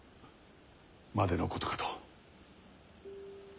までのことかと。